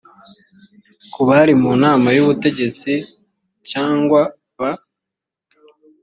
ku bari mu nama y ubutegetsi cyangwa ba